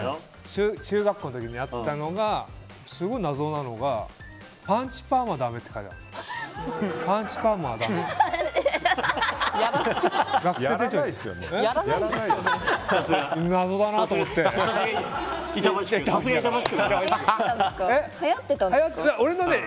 中学校の時にあったのがすごい謎なのがパンチパーマはだめってやらないですよね？